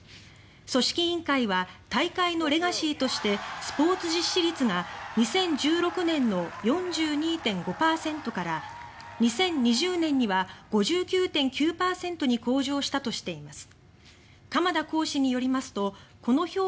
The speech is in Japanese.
組織委員会は大会のレガシーとしてスポーツ実施率が２０１６年の４２．５％から２０２０年には５９．９％に向上したとしています。